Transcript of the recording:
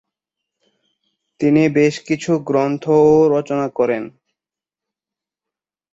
তিনি বেশ কিছু গ্রন্থও রচনা করেন।